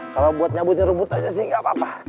kalau buat nyambut nyurubut aja sih gapapa